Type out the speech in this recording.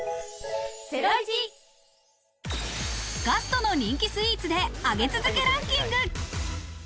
ガストの人気スイーツで上げ続けランキング。